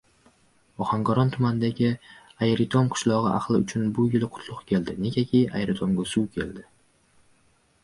Ohangaron tumanidagi Ayritom qishlogʻi ahli uchun bu yil qutlugʻ keldi, negaki Ayritomga suv keldi.